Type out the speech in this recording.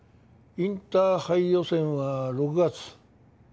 インターハイ予選は６月。